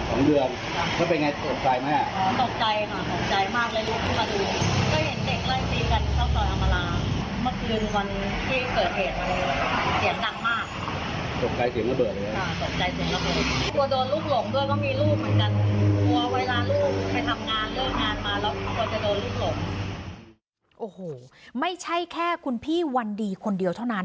โอ้โหไม่ใช่แค่คุณพี่วันดีคนเดียวเท่านั้น